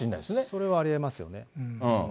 それはありえますよね。